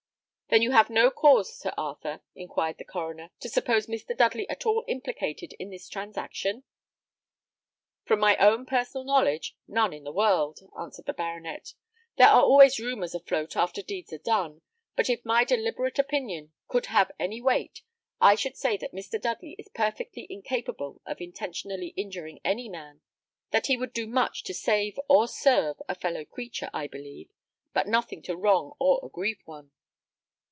"Then you have no cause, Sir Arthur," inquired the coroner, "to suppose Mr. Dudley at all implicated in this transaction?" "From my own personal knowledge, none in the world," answered the baronet. "There are always rumours afloat after deeds are done, but if my deliberate opinion could have any weight, I should say that Mr. Dudley is perfectly incapable of intentionally injuring any man. That he would do much to save or serve a fellow creature, I believe; but nothing to wrong or aggrieve one."